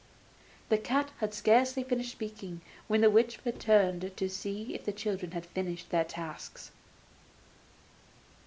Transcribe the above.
The cat had scarcely finished speaking when the witch returned to see if the children had fulfilled their tasks.